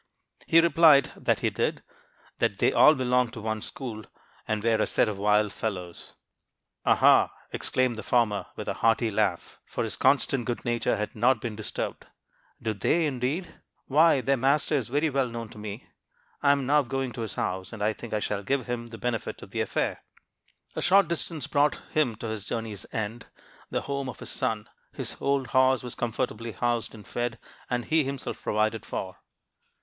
He replied that he did; that they all belonged to one school, and were a set of wild fellows. "'Aha!' exclaimed the former, with a hearty laugh, for his constant good nature had not been disturbed, 'do they, indeed? Why, their master is very well known to me. I am now going to his house, and I think I shall give him the benefit of the affair.' "A short distance brought him to his journey's end, the home of his son. His old horse was comfortably housed and fed, and he himself provided for.